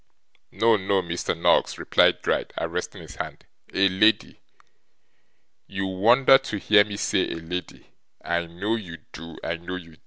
'No, no, Mr. Noggs,' replied Gride, arresting his hand, 'A lady. You wonder to hear me say A lady. I know you do, I know you do.